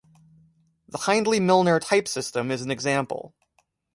The Hindley-Milner type system is an example